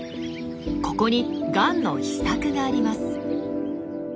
ここにガンの秘策があります。